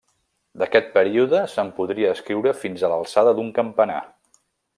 D'aquest període se'n podria escriure fins a l'alçada d'un campanar.